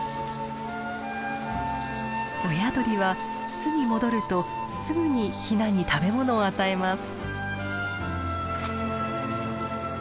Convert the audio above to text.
親鳥は巣に戻るとすぐにヒナに食べ物を与えます。